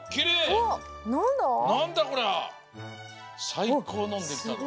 さいこうのできたぞ。